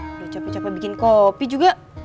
udah capek capek bikin kopi juga